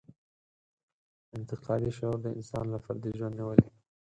انتقادي شعور د انسان له فردي ژوند نېولې.